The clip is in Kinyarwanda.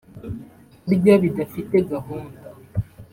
Kurya bidafite gahunda